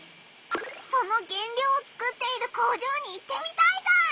その原料を作っている工場に行ってみたいぞ！